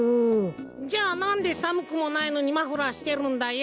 じゃあなんでさむくもないのにマフラーしてるんだよ。